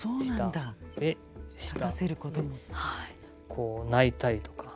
こう泣いたりとか。